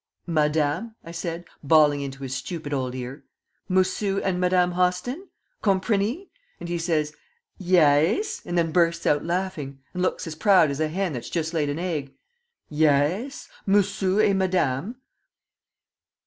'Madame?' I said, bawling into his stupid old ear. 'Mossoo and Madame Hostin? comprenny?' and he says, 'Ya ase,' and then bursts out laughing, and looks as proud as a hen that's just laid a hegg ' Ya ase, Mossoo et Madame."